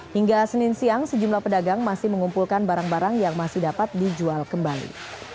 hingga senin siang sejumlah pedagang masih mengumpulkan barang barang yang masih dapat dijual kembali